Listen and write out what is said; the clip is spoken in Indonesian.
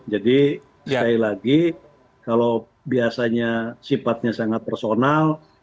jadi sekali lagi kalau biasanya sifatnya sangat personal